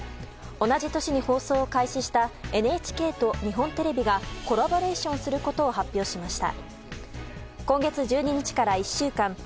同じ年に放送を開始したＮＨＫと日本テレビがコラボレーションすることを発表しました。